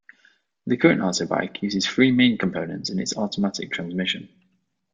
The current Autobike uses three main components in its automatic transmission.